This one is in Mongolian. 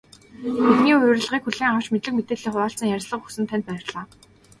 Бидний урилгыг хүлээн авч, мэдлэг мэдээллээ хуваалцан ярилцлага өгсөн танд баярлалаа.